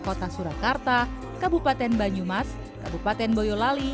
kota surakarta kabupaten banyumas kabupaten boyolali